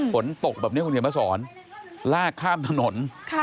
ผลตกแบบนี้คุณเห็นประสอร์นลากข้ามถนน